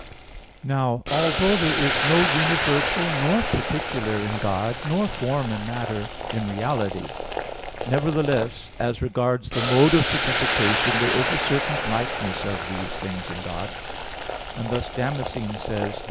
Now, although there is no universal nor particular in God, nor form and matter, in reality; nevertheless, as regards the mode of signification there is a certain likeness of these things in God; and thus Damascene says (De Fide Orth.